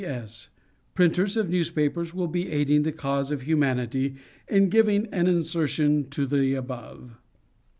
P.S. Printers of newspapers will be aiding the cause of humanity in giving an insertion to the above.